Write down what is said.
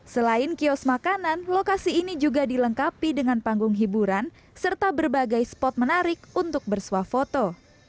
selain kios makanan lokasi ini juga dilengkapi dengan panggung hiburan serta berbagai spot menarik untuk bersuah foto